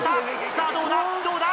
さぁどうだどうだ。